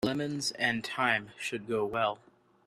Lemons and thyme should go well.